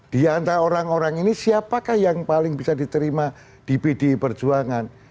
di antara orang orang ini siapakah yang paling bisa diterima di pdi perjuangan